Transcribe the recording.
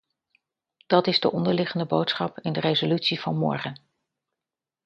Dat is de onderliggende boodschap in de resolutie van morgen.